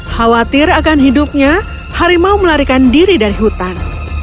khawatir akan hidupnya harimau melarikan diri dari hutan